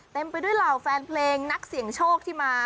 เต็มไปด้วยเหล่าแฟนเพลงนักเสี่ยงโชคที่มา